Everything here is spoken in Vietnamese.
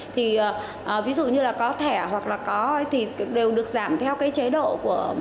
thì ví dụ như là có thẻ hoặc là có thì đều được giảm theo cái chế độ của